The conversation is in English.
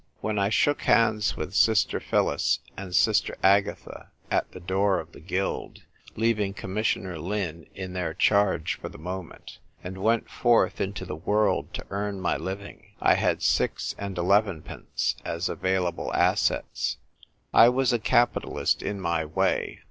When I shook hands with Sister Phyllis and Sister Agatha at the door of the guild, leaving Commissioner Lin in their charge for the moment, and went forth into the world to earn my living, I had six and elevenpence as available assets. I was a capitalist in my way.